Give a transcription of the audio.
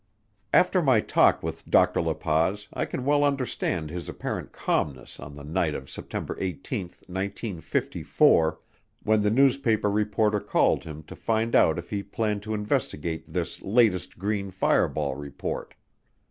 After my talk with Dr. La Paz I can well understand his apparent calmness on the night of September 18, 1954, when the newspaper reporter called him to find out if he planned to investigate this latest green fireball report.